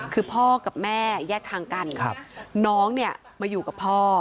คือพ่อกับแม่แยกทางกันน้องเนี่ยมาอยู่กับพ่อ